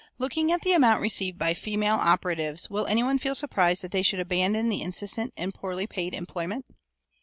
Looking at the amount received by female operatives, will any one feel surprised that they should abandon the incessant and poorly paid employment?